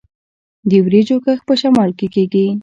د وریجو کښت په شمال کې کیږي.